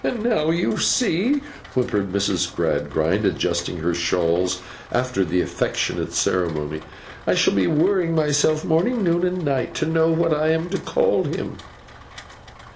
And now you see,' whimpered Mrs. Gradgrind, adjusting her shawls after the affectionate ceremony, 'I shall be worrying myself, morning, noon, and night, to know what I am to call him!